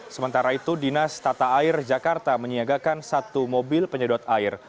sementara itu dinas tata air jakarta menyiagakan satu mobil penyedot air